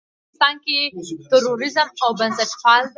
که په افغانستان کې تروريزم او بنسټپالنه ده.